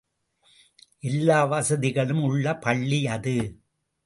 எல்லா வசதிகளும் உள்ள பள்ளி அது.